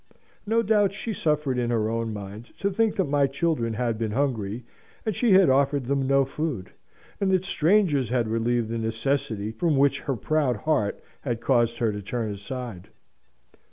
No doubt she suffered in her own mind to think that my children had been hungry, and she had offered them no food; and that strangers had relieved the necessity from which her proud heart had caused her to turn aside.